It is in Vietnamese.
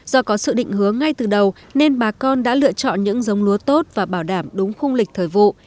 do có sự định hướng ngay từ đầu nên bà con đã lựa chọn những giống lúa tốt và bảo đảm đúng khung lịch thời vụ